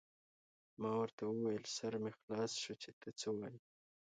ما ورته وویل: سر مې خلاص شو، چې ته څه وایې.